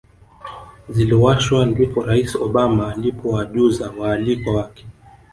ziliwashwa ndipo Rais Obama alipowajuza waalikwa wake